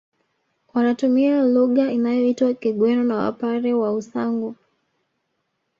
Wanatumia lugha inayoitwa Kigweno na Wapare wa Usangu